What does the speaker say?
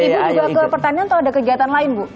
ibu juga ke pertanian atau ada kegiatan lain bu